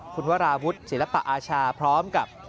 คุณวราวุฒิศิลปะอาชาพร้อมกับ